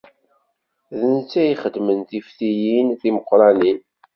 D netta i ixedmen tiftilin timeqqranin.